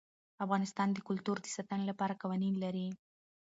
افغانستان د کلتور د ساتنې لپاره قوانین لري.